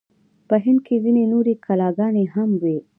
په هند کې ځینې نورې کلاګانې هم وې.